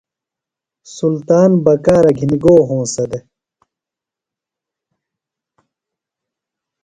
سلطان بکارہ گِھنیۡ گو ہونسہ دےۡ؟